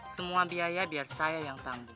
semua biaya biar saya yang tanggung